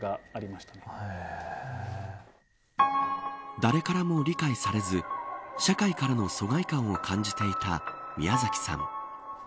誰からも理解されず社会からの疎外感を感じていた宮崎さん。